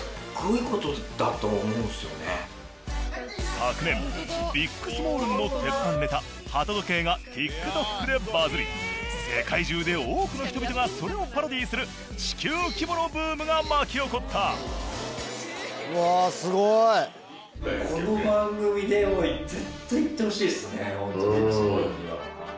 昨年ビックスモールンの鉄板ネタ「鳩時計」がＴｉｋＴｏｋでバズり世界中で多くの人々がそれをパロディーする地球規模のブームが巻き起こったホントビックスモールンには。